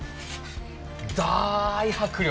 大迫力！